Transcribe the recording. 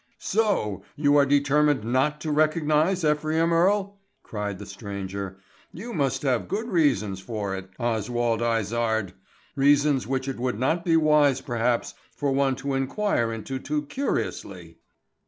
"So you are determined not to recognize Ephraim Earle," cried the stranger. "You must have good reasons for it, Oswald Izard; reasons which it would not be wise perhaps for one to inquire into too curiously."